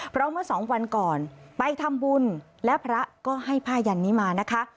เพราะเมื่อสองวันก่อนไปทำบุญและพระก็ให้ผ้ายันนี้มานะคะ